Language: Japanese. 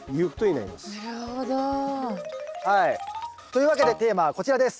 なるほど。というわけでテーマはこちらです。